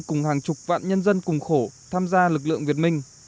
cùng hàng chục vạn nhân dân cùng khổ tham gia lực lượng việt minh